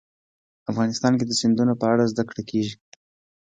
افغانستان کې د سیندونه په اړه زده کړه کېږي.